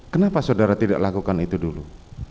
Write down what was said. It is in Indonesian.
kenapa saudara tidak lakukan itu dulu